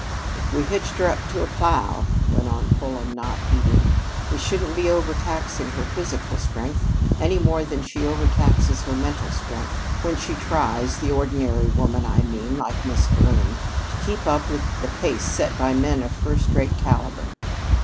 "If we hitched her up to a plough," went on Fulham, not heeding, "we shouldn't be overtaxing her physical strength any more than she overtaxes her mental strength when she tries the ordinary woman, I mean, like Miss Vroom to keep up to the pace set by men of first rate caliber."